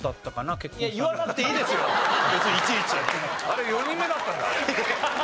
あれ４人目だったんだ。